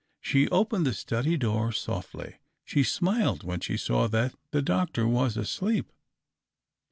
She opened the study door softly ; she smiled when she saw that the doctor was asleep.